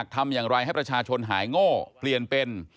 ทำอย่างไรให้ประชาชนหายโง่เปลี่ยนเป็น